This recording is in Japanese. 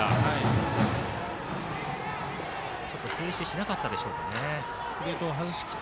ちょっと静止しなかったでしょうかね。